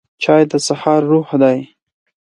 چای د سهار روح دی